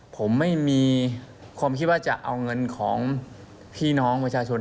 ผมไม่มีความคิดว่าจะเอาเงินของพี่น้องประชาชน